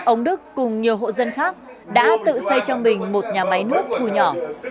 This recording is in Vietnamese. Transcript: ông đức cùng nhiều hộ dân khác đã tự xây cho mình một nhà máy nước thu nhỏ